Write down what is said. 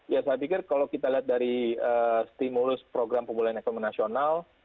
ya saya pikir kalau kita lihat dari stimulus program pemulihan ekonomi nasional